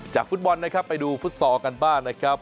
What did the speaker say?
จากฟุตบอลไปดูฟุตซอร์กันบ้านนะครับ